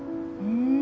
うん。